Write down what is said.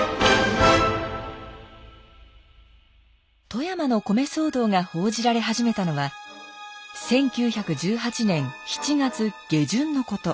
富山の米騒動が報じられ始めたのは１９１８年７月下旬のこと。